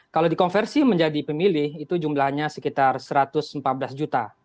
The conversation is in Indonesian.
kalau dikonversi menjadi pemilih itu jumlahnya sekitar satu ratus empat belas juta